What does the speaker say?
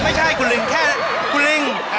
ไม่ใช่คุณลิงแค่คุณลิง